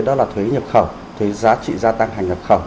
đó là thuế nhập khẩu thuế giá trị gia tăng hàng nhập khẩu